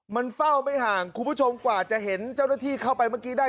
มันเฝ้าไม่ห่างคุณผู้ชมกว่าจะเห็นเจ้าหน้าที่เข้าไปเมื่อกี้ได้